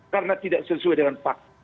karena tidak sesuai dengan pak